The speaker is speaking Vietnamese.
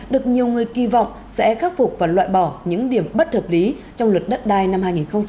được nhiều người kỳ vọng sẽ khắc phục và loại bỏ những điểm bất hợp lý trong luật đất đai năm hai nghìn hai mươi ba